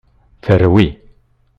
Terwi!